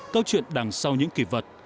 câu chuyện đằng sau những kỷ vật